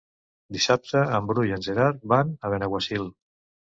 Dissabte en Bru i en Gerard van a Benaguasil.